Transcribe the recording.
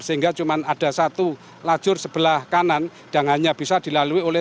sehingga cuma ada satu lajur sebelah kanan yang hanya bisa dilalui oleh